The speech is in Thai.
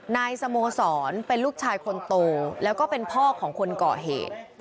นายสโมสรเป็นลูกชายคนโตแล้วก็เป็นพ่อของคนก่อเหตุ